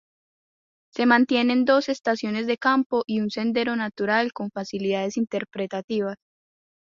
Se mantienen dos estaciones de campo y un sendero natural con facilidades interpretativas.